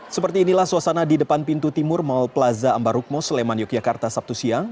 seperti inilah suasana di depan pintu timur mall plaza ambarukmo sleman yogyakarta sabtu siang